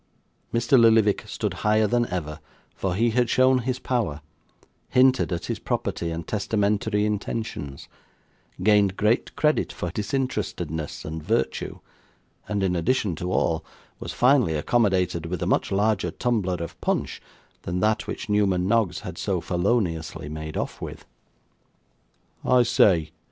Mr. Lillyvick stood higher than ever; for he had shown his power; hinted at his property and testamentary intentions; gained great credit for disinterestedness and virtue; and, in addition to all, was finally accommodated with a much larger tumbler of punch than that which Newman Noggs had so feloniously made off with. 'I say!